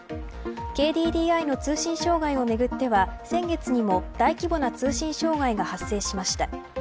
ＫＤＤＩの通信障害をめぐっては先月にも大規模な通信障害が発生しました。